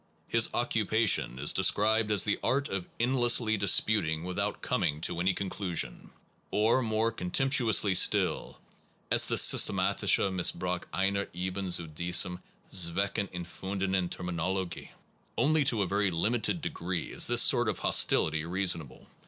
His occupation is de scribed as the art of endlessly disputing without coming to any conclusion, or more contemptuously still as ihe systematischeMiss brauch einer eben zu diesem Zwecke erfundenen Terminologies Only to a very limited degree is this sort of hostility reasonable.